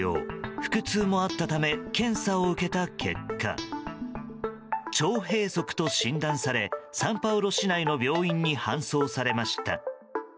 腹痛もあったため検査を受けた結果腸閉塞と診断されサンパウロ市内の病院に搬送されました。